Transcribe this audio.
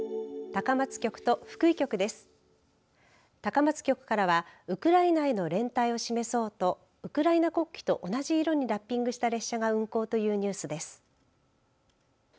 高松局からはウクライナへの連帯を示そうとウクライナ国旗と同じ色にラッピングした列車が運行というニュースです。